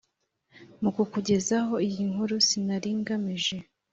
mu kukugezaho iyi nkuru sinari ngamije